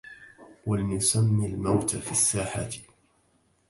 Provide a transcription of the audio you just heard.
وَلْنُسَمِّ الموت في الساحة